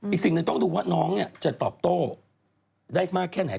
อีกสิ่งหนึ่งต้องดูว่าน้องจะตอบโต้ได้มากแค่ไหน